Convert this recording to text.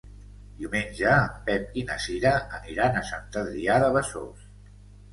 Diumenge en Pep i na Cira aniran a Sant Adrià de Besòs.